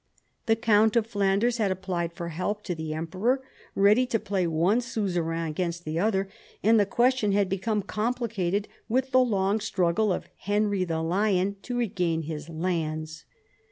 The count of Flanders had applied for help to the emperor, ready to play one suzerain against the other, and the question had become complicated with the long struggle of Henry the Lion to regain his lands.